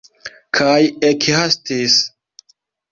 Kaj ekhastis.